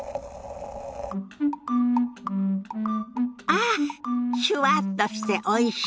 ああっシュワッとしておいし。